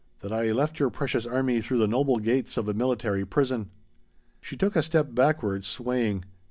That I left your precious army through the noble gates of a military prison!" She took a step backward, swaying.